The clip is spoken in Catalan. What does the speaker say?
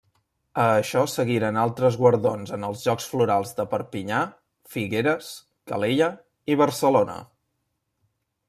A això seguiren altres guardons en els Jocs Florals de Perpinyà, Figueres, Calella i Barcelona.